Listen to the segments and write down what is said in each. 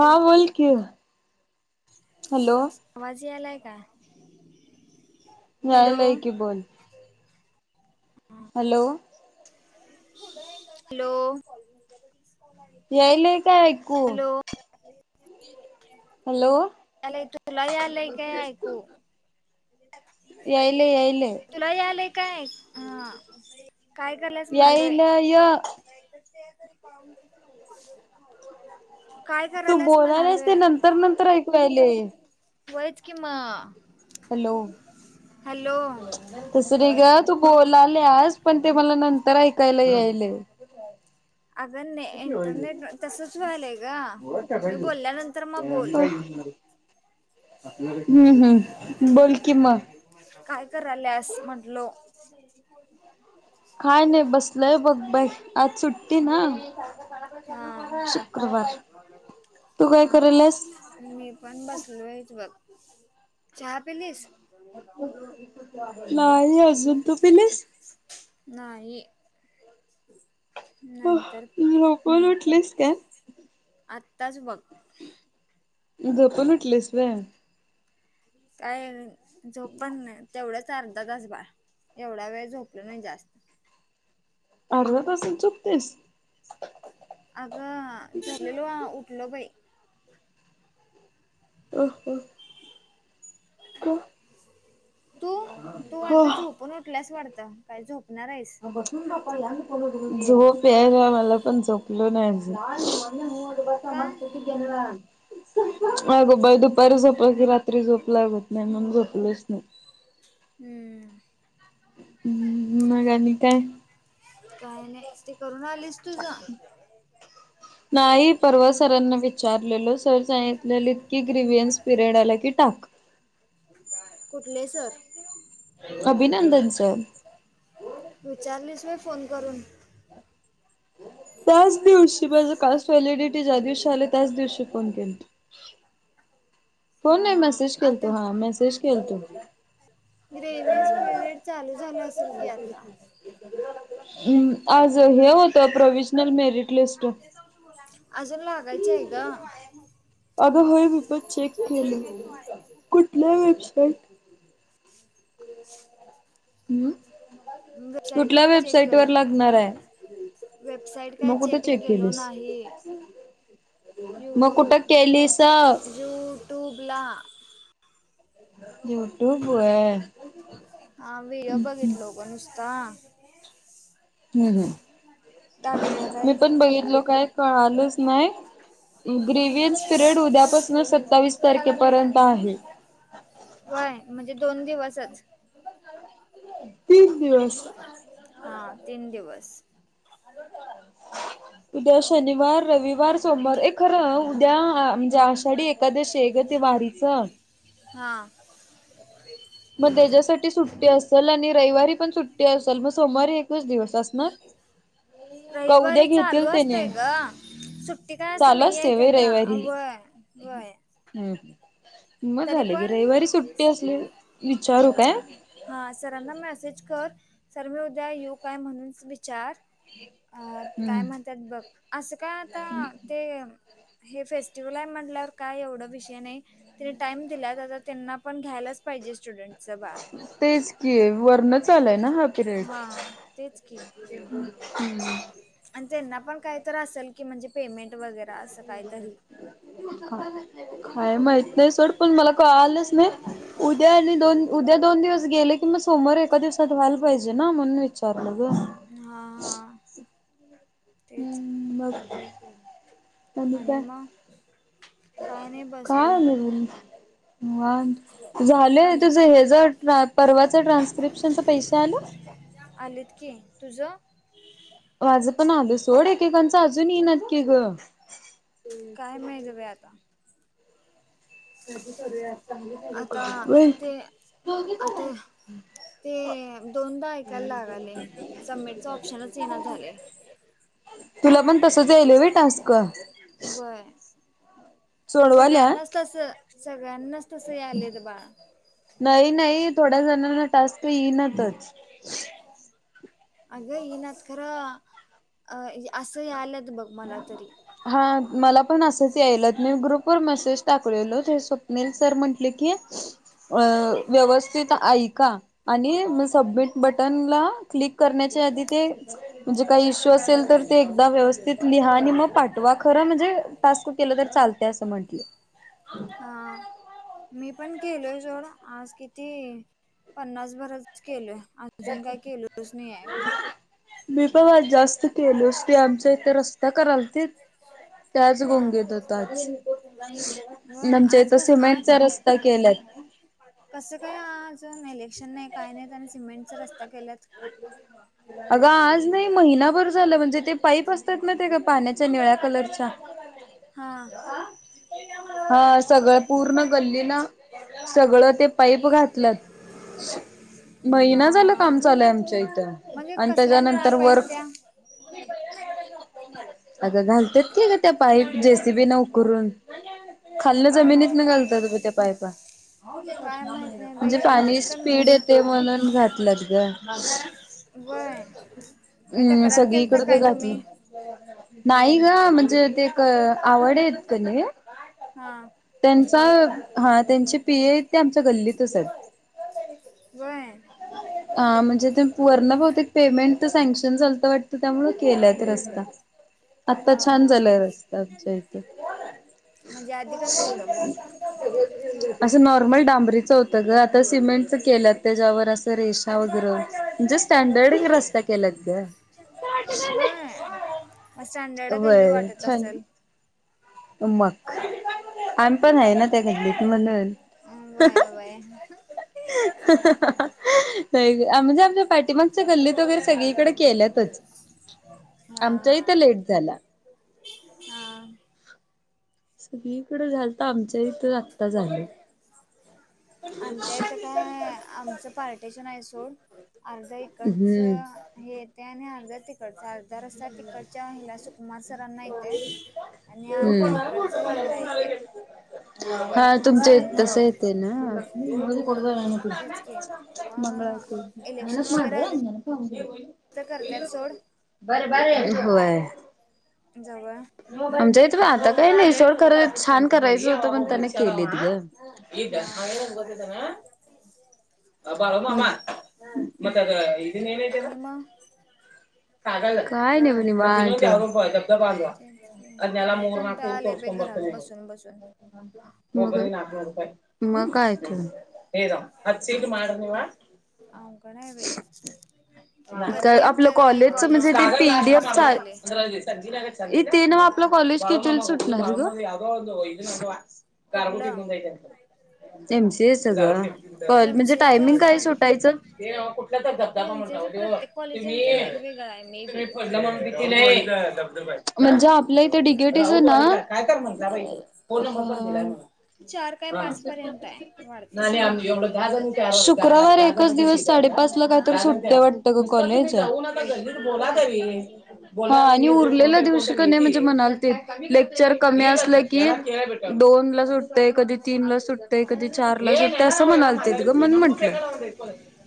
हा हॅलो बोल कि हॅलो! आवाज यायला का? हॅलो यायलाय की बोल. हॅलो! हॅलो! यायल काय? ऐकू हॅलो हॅलो तुला यालय काय ऐकू? यायलय [inaudible] यायलय तुला यालय काय? ह काय कलंस म्हलोय? यायलय य काय करल्यास म्हणालोय? तर नंतर ऐकूयले. होय च कि मग हॅलो! तस नाही ग तू बोलल्यास पण ते मला नंतर ऐकायला यायले. आग ने इंटरनेट तसच व्हायल य ग मी बोलल्यानंतर मग बोल हम्म हम्म बोलकी मग. काय कराल्यास म्हंटलो. काय नाही बसलोय बघ बाई. आज सुट्टी ना हा शुक्रवार तू काय हा. करायल्यास मी पण बसलो आहेच बघ चहा पिलीस? नाही अजुन तु पीलीस? नाही. [inaudible] नंतर झोपून उठलीस काय? आत्ताच बघ. झोपून उठलीस व्हय? काय झोप पण नाही, तेवढंच अर्धा तास [unintelligible] एवढा वेळ झोपलो नाही जास्त. अर्धा तासंच झोपतेस? अगं झोपलेलो आ उठलो बाई. [inaudible] [inaudible] तू! तू ह वाटतं झोपून उठलास वाटत, काय झोपणार आहेस? झोप यायला, मला पण झोपलो नाही अजून. का अगं बाई दुपारी झोपायच राह रात्री झोप लागत नाही म्हणून झोपलेच नाही. हम्म. मग आणि काय? काय नाही, ते करून आलीस? तुझं नाही परवा सरांना विचारलेल सर सांगितलेली की ग्रीवियन्स पिरियड आला की टाक. कुठले सर? अभिनंदनचं! विचारलीस व्हय फोन करून? त्याच दिवशी, माझी कास्ट व्हॅलिडिटी ज्या दिवशी आली त्याच दिवशी फोन केला. हा हा मेसेज आता केलतो हा मेसेज केलतो. ग्रेव्हीअन्स पिरियड चालू झाला असेल की आता? हम् आज हे होतं, प्रोविजनल मेरिट लिस्ट. अजून लागायची आहे का? अगं होय मी पण चेक केलं, कुठल्या वेबसाईट [inaudible] ऊ वेबसाईट कुठल्या वेबसाईट वर लागणार आहे? वेबसाइट काय मग कुठे चेक केलो केलीस नाही. मग कुठं यूट्यूब! केलीस यूट्यूबला. युट्यूब व्हय! हा व्हिडिओ बघितलो पण नुसता. हम्म हम्म दाबेल्या काय? कळालंच न्हाई? ग्रेवीयन्स पिरियड उद्यापासून सत्तावीस तारखेपर्यंत आहे. व्हय! म्हणजे दोन दिवसच. [inaudible] दिवस हा, तीन दिवस. उद्या शनिवार, रविवार, सोमवार ए खरं उद्या आ म्हणजे आश आषाढी एकादशी आहे ग ते वारीचं हा. मग त्याच्यासाठी सुट्टी असल आणि रविवारी पण सुट्टी असल मग सोमवारी एकच दिवस असणार? का उद्या रविवारी चालू घेतील त्याने असतय ग. सुट्टी काय असं चालू नाही आहे असते त्यांना, व्हयं -व्हंय. हम् म झाले की पण रविवारी सुट्टी असली, विचारू काय? [inaudible] हा सरांना मेसेज कर, सर मी उद्या येऊ काय? म्हणून विचार. अं ते काय हम्म. म्हणतात बघ असं का आता ते हे फेस्टिवल आहे म्हंटल्यावर, काय एवढा विषय नाही. तेनी टाइम दिल्यात आता त्यांना पण घ्यायलाच पाहिजे स्टुडंटच. तेच की वरनंच आलाय ना हा पिरियड. हा तेच की आणि त्यांना पण काहीत असेल की म्हणजे पेमेंट वगैर, हो [inaudible] काय माहित नाही सोड, पण मला कळालंच नाही. उद्या आणि दोन उद्या दोन दिवस गेले कि, मग सोमवार एका दिवसात व्हायला पाहिजे ना म्हणून विचारलं ग. हां. हा. तेच हं बग. आणि काय, काय काय आणि [unintelligible] काण हे ज परवाच ट्रान्स्क्रिप्शनच पैसे आलं [unintelligible] आलीत की तुझं?. माझं पण आलं सोड, एकेकांचं अजून येईनात कि गं. काय माहित बई आता. बायको करूया, चांगली पुरगी आता करूया व्हयं ते पुरगी कोण हाय? आता ते दोनदा ऐकायला लागालंय, सबमिटचं ऑप्शनच ईना झालंय. तुला पण तसंच यायलंय व्हय टास्क. व्हंय सोडवाल्या सगळ्यांनाच तसं सगळ्यांनाच. तसं यालेत बाळ. नाही, नाही थोड्या जणांना टास्क ईनातच. अगं ईनात खरं अ असं याल्यात बघ. मला तरी [unintelligible] हा मला पण असंच यायल्यात मी ग्रुप वर मेसेज टाकलेलो ते स्वप्नील सर म्हंटले की, अं व्यवस्थित ऐका. आणि म सबमिट बटन ला क्लिक करण्याच्या आधी ते म्हणजे काय इशू असेल तर ते एकदा व्यवस्थित. लिहा आणि मग पाठवा खरं म्हणजे टास्क केलं तर चालतंय असं म्हंटले. हां मी पण केलोय सोड आज किती पन्नासभरच केलोय. अजून काय केलोच नाही आहे मी. मी पन आज जास्त केलोस ते आमच्या इथं रस्ता करालतीत, त्याचाच हा गुंगीत होतो आज. व्हय आमच्या आज इथं कस आज सिमेंटचा रस्ता केल्यात. कसं काय अआजून इलेक्शन नाही, काय नाहीत आणि सिमेंटचा रस्ता केल्यात. [unintelligible] अगं आज नाही महिनाभर झालं, म्हणजे ते पाईप असत्यात माहित आहे काय ते पाण्याच्या निळ्या कलरच्या- [unintelligible] हां हा सगळं पूर्ण गल्लीनं सगळं ते- पाईप घातल्यात. हा महिना झाला हा कामं- झालंय आमच्या इथ म्हणजे आणि कसल्या नळा त्याच्यानंतर पाईप वर- त्या आता घालतेत की त्या पाईप जेसीबी न उकरून- खाल्लन काय माहि जमिनीतन घालतात त्या पाइपा- काय माहित नाही बाई म्हणजे एवढं पाणी तर स्पीड येते म्हणून घातलंत ग. वय काय हम् तक्रार केलता सगळीकडे ते काय घातलं. तुम्ही नाही ग म्हणजे ते क आवड येतं त्याने - हा त्यांचा हा त्यांचे पी ए ते आमच्या गल्लीतच आहेत. व्हय... हा म्हणजे ते वरण बहुतेक पेमेंट तर सँक्शन झालंत वाटतं त्यामुळे केलंय ते रस्ता. आत्ता हा छान हा, झालाय रस्ता आमच्या इथे म्हणजे आधी कसं होतं मग- असं नॉर्मल डांबरीच होतं ग आता सिमेंटच केलं त्याच्यावर असं रेश- वगर म्हणजे स्टँडर्ड रस्ता केलात ग. व्हय म स्टँडर्ड गल्ली व्हय वाटत छान असेल. मग आमी पण आहे ना त्या गल्लीत म्हणुन- व्हय व्हय... [inaudible] हं हं व्हय ग म्हणजे आमच्या पाठीमागच्या गल्लीत वगैरे सगळीकडे केल्यातच. हा आमच्या हा इथं लेट झाला. हा सगळीकडे झालंता आमच्या इथं आता झालं. आमच्या इथं काय आमच्या पार्टीशन आहे सोड आमच्या इकडंच- हम्म हे येते आणि अर्धा तिकडचा अर्धा रस्ता तिकडच्या ह्याला सुकुमार सरांना येते. आणि अर्धा हम्म इकडच हिला येते. हा असं आहे तुमचं आमचं तस येते ना- [inaudible] तेच की मग इलेक्शन वगैरे आले तर करतात सोड बर बर, होय- जाऊया- आमच्या इथ आता काही नाही छान करायच होत पण त्याने केलेत गं- हेचे ओ बाळु मामा आणि मग काय नाही बघ निवांत. तेच की लय कंटाळा आले बाई घरात बसून बसून [unintelligible] मग काय तर. अत् छीड माडमेवा- अवगड ये बाई कधी आपलं एकदा कॉलेजच कॉलेज म्हणजे ते स्टार्ट पी होते डी एफ असं चाल- व्हायले इथे ना म आपलं कॉलेज किथीला सुटणारे गं- कुठलं कारगुटीतून जाई त्यांच्या. एम सी एस ग प म्हणजे एमसीएच टायमिंग आता काय सुटायचं? धबधबा म्हण एमसीएच दे प्रत्येक कॉलेजांच तुम्ही. वेगवेगळं आहे मे बी म्हणजे आपल्या इथे डिगेटीच ना. हा चार काय पाच पर्यंत आहे वाढतं शुक्रवार एकच दिवस साडेपाच ला काहीतरी सुटतय वाटत ग. कॉलेज मी जाऊ नका घरी नीट बोला तरी. पण हा आणि उरलेला दिवशी का नाही म्हणजे म्हणाल ते. लेक्चर कमी असलं की दोन ला सुटतय कधी तीन ला सुट कधी चारला सुटतं असं म्हणालतेत ग मण म्हंटलं.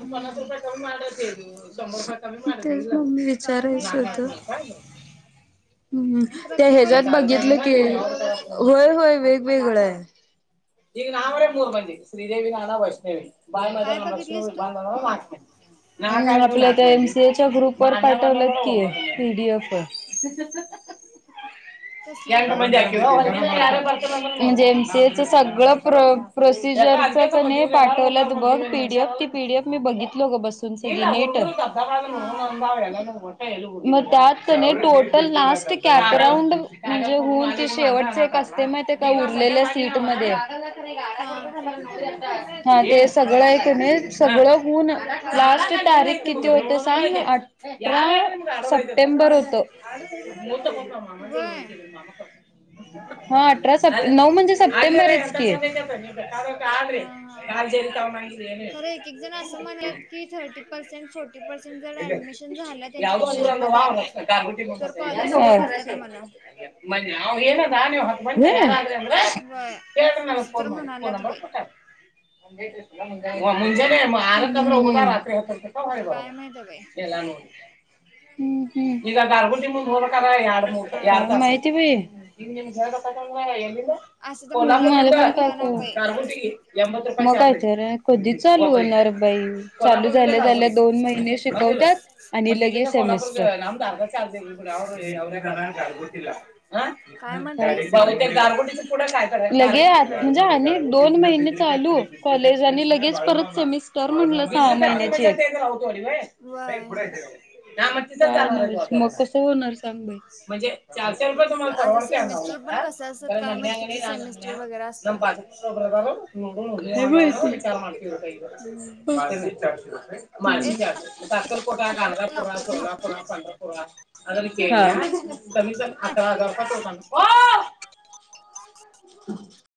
हम्म तेच. मग मी काय माहिती विचारायचं बाई होत. आता हम्म त्या प्रत्येक ह्यजात कॉलेजांचं बघितलं की होय होय वेगवेगळ आहे. हा काय बघितलीस तू [unintelligible] नाही नाही आपल्या त्या एमसीएच्या ग्रुप वर पाठवलं की पिडीएफ वर. [unintelligible] कसली ग म्हणजे एमसी एच सगळं प्र प्रोसिजर च किनई पाठवलंत बघ पीडीएफ ती पीडीएफ मी बघितलो ग बसून सगळ नीट. हा मग त्यात किनाय टोटल ना कॅपराउंड म्हणजे होऊन ते शेवटचे एक असते माहिती का उरलेल्या सीट मध्ये हा हा ते सगळं आहे कि नाही सगळं होऊन लास्ट तारीख किती होते सांग आठ सप्टेंबर होत. वय हा अठरा स नऊ म्हणजे सप्टेंबरच की. हा हा. खरं एकेक जण अस म्हणल्यात की thirty percent, forty percent admission झाल त्यांच्या कॉलेज मध्ये तर कॉलेज सुरू करतात म्हण. वय हम्म. असं तर म्हणाल्यात बाई [unintelligible] आता काय माहित बाई [unintelligible] हम्म हम्म काय काय होते माहिती बई. [unintelligible] असं तर मग मला पण काय कळना बाई काय तर कधी चालू होणार बाई? चालू झाल्या वय झाल्या दोन महिने शिकवतात आणि लगेच सेमिस्टर. काय म्हंटलीस? लगे म्हणजे आणि दोन महिने चालू कॉलेज आणि लगेच परत सेमिस्टर म्हणलं सहा महिन्याचे. व्हय. मग कसं होणार सांग बाई? [unintelligible] आता सेमेस्टर पण कसं असतात माहित किती सेमेस्टर काय वगैरे असतात हम्म माहिती? ए [unintelligible] [unintelligible] [unintelligible]